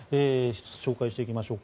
紹介していきましょう。